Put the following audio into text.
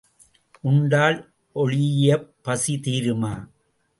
உண்டால் ஒழியப் பசி தீருமா?